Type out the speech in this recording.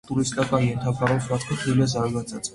Տուրիստական ենթակառուցվածքը թույլ է զարգացած։